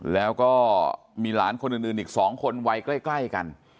แล้วก็มีหลานคนอื่นอีก๒คนวัยใกล้กัน